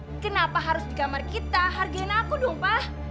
tapi pak kenapa harus di kamar kita hargainah aku dong pak